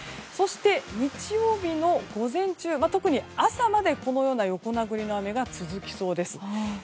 そして、日曜日の午前中特に朝までこのような横殴りの雨が続きそうです。